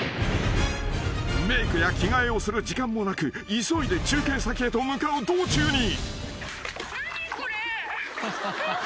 ［メークや着替えをする時間もなく急いで中継先へと向かう道中に］